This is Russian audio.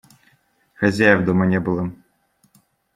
Хозяев дома не было.